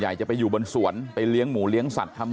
ชาวบ้านในพื้นที่บอกว่าปกติผู้ตายเขาก็อยู่กับสามีแล้วก็ลูกสองคนนะฮะ